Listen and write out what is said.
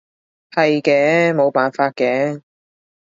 係嘅，冇辦法嘅